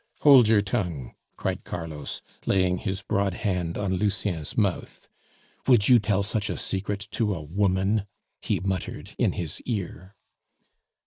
"Hold your tongue!" cried Carlos, laying his broad hand on Lucien's mouth. "Would you tell such a secret to a woman?" he muttered in his ear.